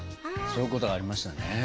そういうことがありましたね。